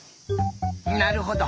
なるほど。